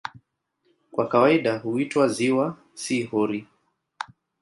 Kwa kawaida huitwa "ziwa", si "hori".